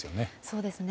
そうですね。